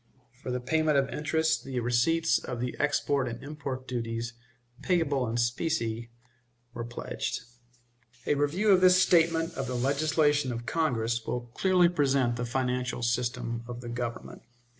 For the payment of interest the receipts of the export and import duties, payable in specie, were pledged. A review of this statement of the legislation of Congress will clearly present the financial system of the Government.